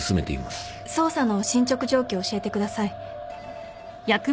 捜査の進捗状況教えてください。